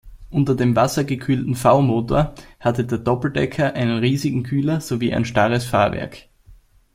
Unter dem wassergekühlten V-Motor hatte der Doppeldecker einen riesigen Kühler sowie ein starres Fahrwerk.